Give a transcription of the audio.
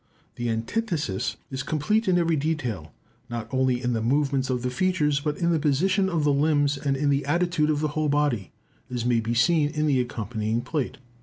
The antithesis is complete in every detail, not only in the movements of the features, but in the position of the limbs and in the attitude of the whole body, as may be seen in the accompanying plate.